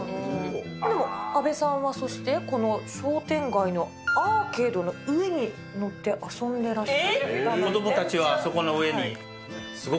でも阿部さんは、そしてこの商店街のアーケードの上に乗って遊んでらした？